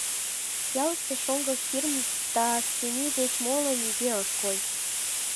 Ялыште шоҥго Хирм да Сами деч моло нигӧ ыш кой.